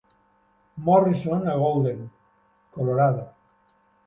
Morrison a Golden, Colorado.